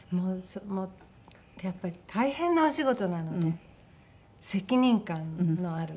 やっぱり大変なお仕事なので責任感のある。